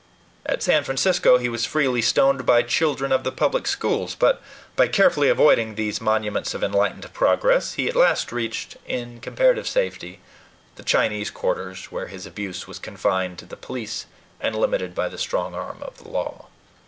At San Francisco he was freely stoned by children of the public schools; but, by carefully avoiding these monuments of enlightened progress, he at last reached, in comparative safety, the Chinese quarters, where his abuse was confined to the police and limited by the strong arm of the law.